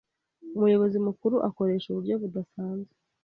Umuyobozi mukuru akoresha uburyo budasanzwe.